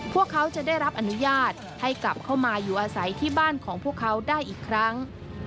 พวกเขาจะได้รับอนุญาตให้กลับเข้ามาอยู่อาศัยที่บ้านของพวกเขาได้อีกครั้ง